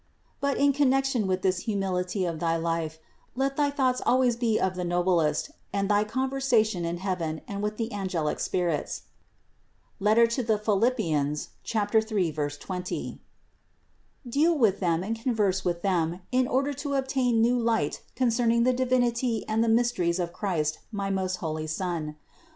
But in connection with this humility of thy life, let thy thoughts always be of the noblest and thy conversation in heaven and with the angelic spirits (Philip 3, 20) ; deal with them and converse with them in order to obtain new light concerning the Divinity and the mysteries of Christ my most holy Son.